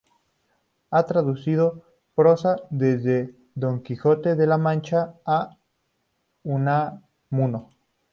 Ha traducido prosa desde D Quijote de la Mancha a Unamuno.